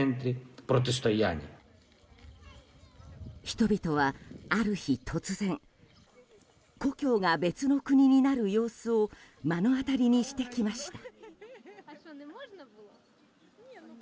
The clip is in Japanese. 人々はある日突然故郷が別の国になる様子を目の当たりにしてきました。